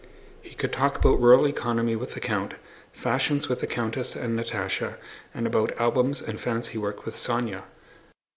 He could talk about rural economy with the count, fashions with the countess and Natásha, and about albums and fancywork with Sónya.